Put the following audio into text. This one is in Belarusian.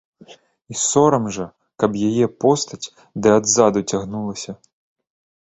І сорам жа, каб яе постаць ды адзаду цягнулася.